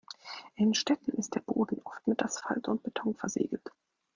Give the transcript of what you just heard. In Städten ist der Boden oft mit Asphalt und Beton versiegelt.